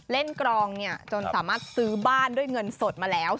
กรองจนสามารถซื้อบ้านด้วยเงินสดมาแล้ว